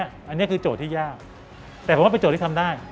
อันนี้คือโจทย์ที่ยากแต่ผมว่าเป็นโจทย์ที่ทำได้